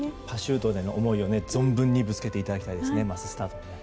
パシュートでの思いを存分にぶつけていただきたいですね。